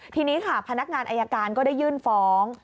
ทีนี้ค่ะพนักงานอายการก็ได้ยื่นฟ้อง